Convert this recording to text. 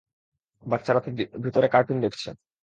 বাচ্চারা তো ভিতরে কার্টুন দেখছে।